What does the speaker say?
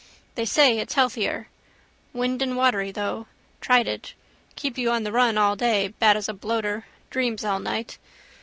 They say it's healthier. Windandwatery though. Tried it. Keep you on the run all day. Bad as a bloater. Dreams all night.